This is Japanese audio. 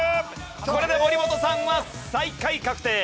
ここで森本さんは最下位確定。